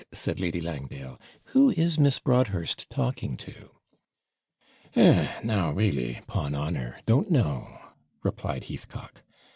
said Lady Langdale, 'who is Miss Broadhurst talking to?' 'Eh! now really 'pon honour don't know,' replied Heathcock.